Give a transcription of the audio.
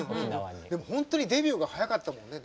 でも本当にデビューが早かったもんね。